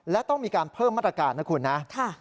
และต้องมีการเพิ่มมาตรการนะคุณนะ